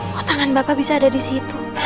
kok tangan bapak bisa ada di situ